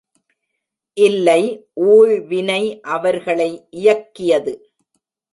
இல்லை ஊழ்வினை அவர்களை இயக்கியது.